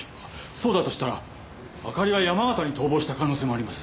そうだとしたらあかりは山形に逃亡した可能性もあります。